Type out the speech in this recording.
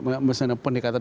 apa itu misalnya pendekatan